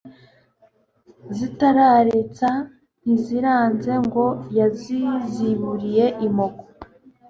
Zitaretsa* ntiziranze Ngo yaziziburiye imoko.